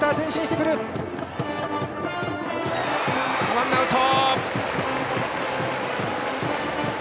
ワンアウト。